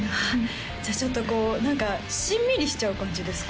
じゃあちょっとこう何かしんみりしちゃう感じですか？